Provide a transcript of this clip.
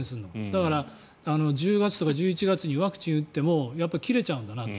だから、１０月とか１１月にワクチンを打ってもやっぱり切れちゃうんだなと。